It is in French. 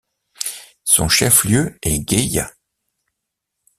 Son chef-lieu est Gaya.